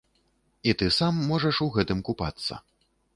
І ты сам можаш у гэтым купацца.